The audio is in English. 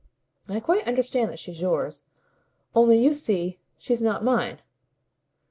"I quite understand that she's yours. Only you see she's not mine."